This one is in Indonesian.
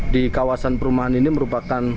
di kawasan perumahan ini merupakan